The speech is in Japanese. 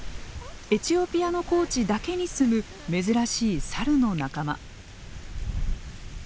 エチオピアの高地だけに住む珍しいサルの仲間。